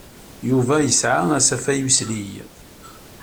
Yuba yesɛa asafag uslig.